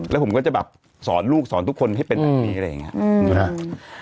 แล้วผมก็จะสอนลูกสอนทุกคนให้เป็นแบบนี้